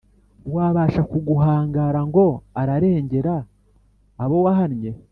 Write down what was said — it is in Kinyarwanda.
wabasha kuguhangara ngo ararengera abo wahannye.